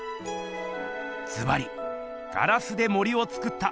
ずばり「ガラスで森をつくった」